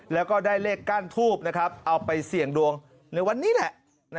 แล้วก็ได้เลขก้านทูบเอาไปเสี่ยงดวงในวันนี้แหละ